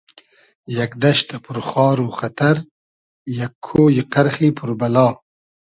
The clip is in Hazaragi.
یئگ دئشتۂ پور خار و خئتئر یئگ کۉیی قئرخی پور بئلا